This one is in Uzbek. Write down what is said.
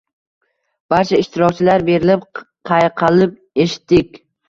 Barcha ishtirokchilar berilib chayqalib eshitdik.